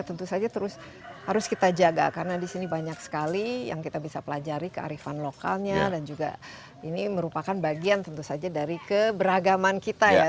tentu saja terus harus kita jaga karena disini banyak sekali yang kita bisa pelajari kearifan lokalnya dan juga ini merupakan bagian tentu saja dari keberagaman kita ya